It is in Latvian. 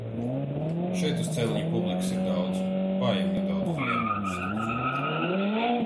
Šeit uz celiņa publikas ir daudz, paejam nedaudz uz vienu pusi, tad uz otru.